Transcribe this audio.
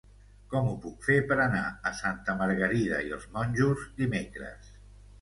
Com ho puc fer per anar a Santa Margarida i els Monjos dimecres?